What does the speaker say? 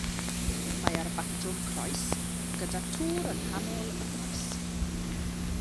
Mae ar batrwm croes, gyda'r tŵr yng nghanol y groes.